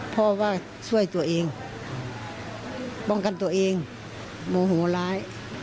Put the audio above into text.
พ่อว่าช่วยตัวเองป้องกันตัวเองโมโหร้าย